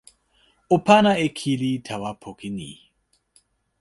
o pana e kili tawa poki ni.